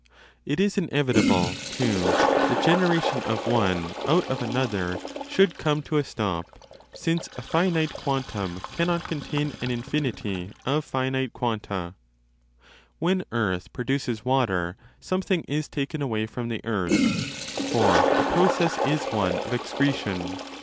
It is inevitable, too, that genera tion of one out of another should come to a stop, since a finite quantum cannot contain an infinity of finite quanta. When earth produces water something is taken away from the earth, for the process is one of excretion.